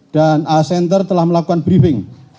dan aha center telah melakukan briefing